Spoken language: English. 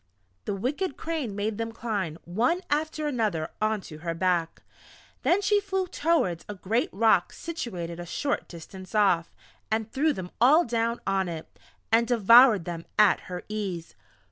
The wicked Crane made them climb one after another onto her back, then she flew towards a great Rock situated a short distance off, and threw them all down on it and devoured them at her ease.